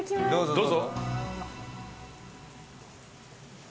どうぞ。